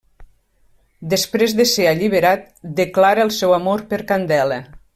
Després de ser alliberat, declara el seu amor per Candela.